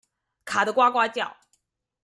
卡得呱呱叫